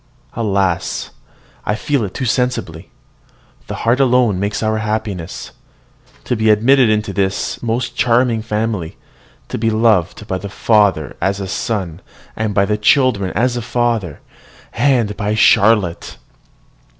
Alas! I feel it too sensibly, the heart alone makes our happiness! To be admitted into this most charming family, to be loved by the father as a son, by the children as a father, and by Charlotte!